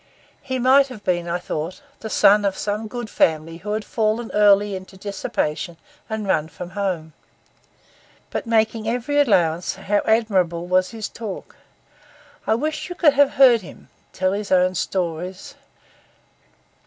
He might have been, I thought, the son of some good family who had fallen early into dissipation and run from home. But, making every allowance, how admirable was his talk! I wish you could have heard him tell his own stories.